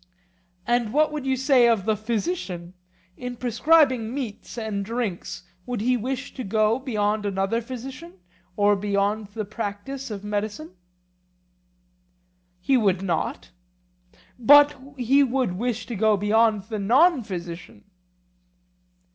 And what would you say of the physician? In prescribing meats and drinks would he wish to go beyond another physician or beyond the practice of medicine? He would not. But he would wish to go beyond the non physician?